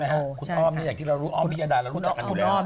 คุณอ้อมอย่างที่เรารู้อ้อมพิยดาเรารู้จักกันอยู่แล้ว